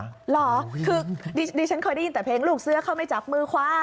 หรอได้ฉันได้ได้ยินแต่เพลงลูกเสื้อเขาไม่จับมือคว้า